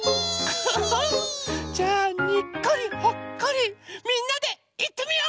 じゃあ「にっこりほっこり」みんなでいってみよう！